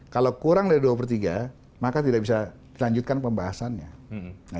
kalau kurang dari dua per tiga maka tidak bisa dilanjutkan pembahasannya